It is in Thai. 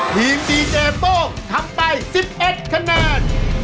ดีเจโต้งทำไป๑๑คะแนน